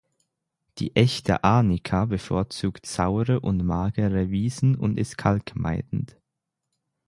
Die Echte Arnika bevorzugt saure und magere Wiesen und ist kalkmeidend.